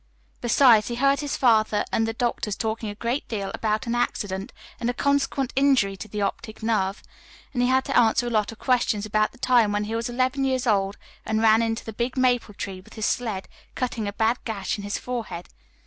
Besides, he heard his father and the doctors talking a great deal about "an accident," and a "consequent injury to the optic nerve"; and he had to answer a lot of questions about the time when he was eleven years old and ran into the big maple tree with his sled, cutting a bad gash in his forehead.